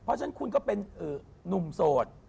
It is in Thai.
เพราะฉะนั้นคุณก็เป็นนุ่มโสด